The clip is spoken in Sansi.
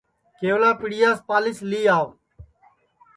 کیولا پِٹیاس پالِیس لی آو